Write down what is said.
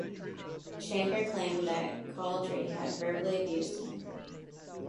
Shankar claimed that Chaudhry had verbally abused him.